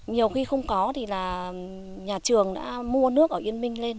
nhiều khi không có thì là nhà trường đã mua nước ở yên minh lên